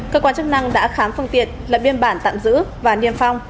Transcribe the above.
cơ quan chức năng đã khám phương tiện lập biên bản tạm giữ và niêm phong